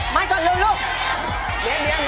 แมทก่อนเร็วลุง